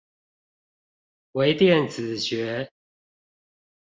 微電子學